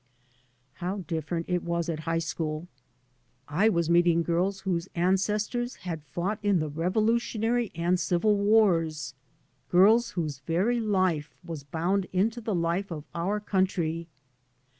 ... How different it was at hi^ school I I was meeting girls whose ancestors had fought [io6] 3 by Google MY MOTHER AND I in the Revolutionary and Civil wars, girls whose very life was bound into the life of our country.